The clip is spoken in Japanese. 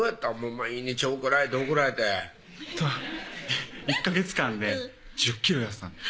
毎日怒られて怒られて１ヵ月間で１０ｋｇ痩せたんです